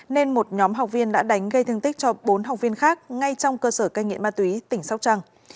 nên một nhóm học viên đã đánh gây thương tích cho bốn học viên khác ngay trong cơ sở cai nghiện ma túy tỉnh sóc trăng